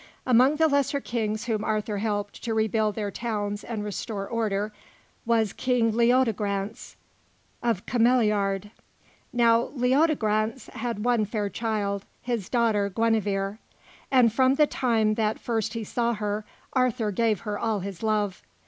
Amongst the lesser Kings whom Arthur helped to rebuild their towns and restore order, was King Leodegrance of Cameliard. Now Leodegrance had one fair child, his daughter Guenevere; and from the time that first he saw her, Arthur gave her all his love.